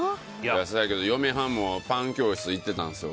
せやけど、嫁はんもパン教室に行ってたんですよ。